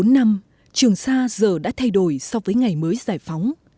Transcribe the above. bốn mươi bốn năm trường sa giờ đã thay đổi so với ngày mới giải phóng